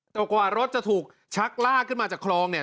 แต่กว่ารถจะถูกชักลากขึ้นมาจากคลองเนี่ย